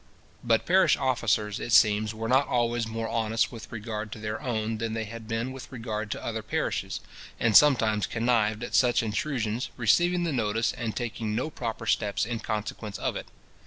But parish officers, it seems, were not always more honest with regard to their own than they had been with regard to other parishes, and sometimes connived at such intrusions, receiving the notice, and taking no proper steps in consequence of it.